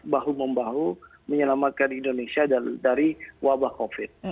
bahu membahu menyelamatkan indonesia dari wabah covid